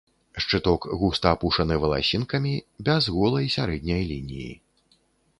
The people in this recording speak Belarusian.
Шчыток густа апушаны валасінкамі, без голай сярэдняй лініі.